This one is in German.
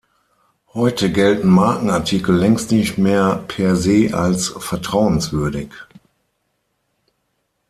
Heute gelten Markenartikel längst nicht mehr "per se" als vertrauenswürdig.